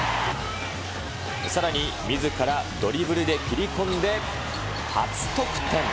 さらに、みずからドリブルで切り込んで初得点。